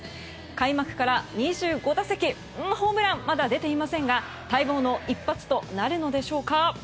開幕から２５打席まだホームランは出ていませんが待望の一発となるのでしょうか。